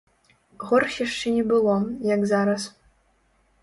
Горш яшчэ не было, як зараз.